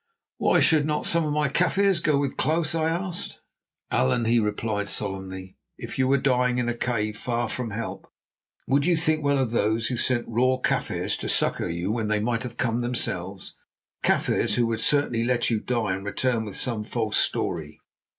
"Why should not some of my Kaffirs go with Klaus?" I asked. "Allan," he replied solemnly, "if you were dying in a cave far from help, would you think well of those who sent raw Kaffirs to succour you when they might have come themselves, Kaffirs who certainly would let you die and return with some false story?"